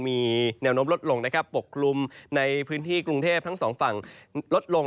มีแนวโน้มลดลงนะครับปกคลุมในพื้นที่กรุงเทพทั้งสองฝั่งลดลง